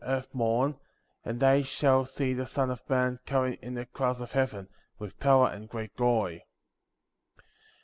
9 earth mourn; and they shall see the Son of Man coming in the clouds of heaven, with power and great glory; 37.